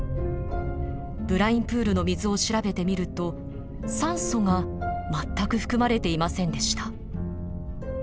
ブラインプールの水を調べてみると酸素が全く含まれていませんでした。